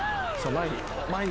前に。